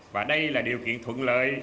và đây là điều kiện thuận lợi